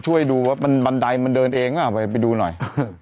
ช่วยดูว่าบันไดมันเดินเองไปดูหน่อย